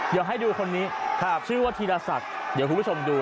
เดี๋ยวให้ดูคนนี้ชื่อว่าธีรศักดิ์เดี๋ยวคุณผู้ชมดู